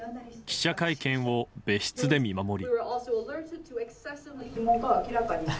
記者会見を別室で見守る。